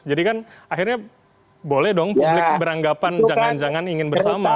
jadi kan akhirnya boleh dong publik beranggapan jangan jangan ingin bersama